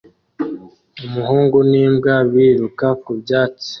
Umuhungu n'imbwa biruka ku byatsi